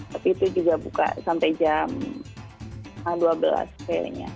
tapi itu juga buka sampai jam dua belas failnya